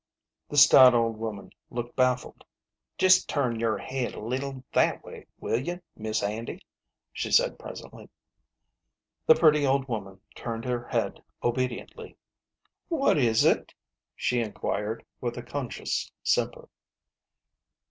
The stout old woman looked baffled. "Jest turn your head a leetle that way, will you, Mis' Handy? 1 ' she said, presently. The pretty old woman turned her head obediently. u What is it?" she inquired, with a conscious simper.